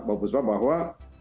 mbak bhusbah bahwa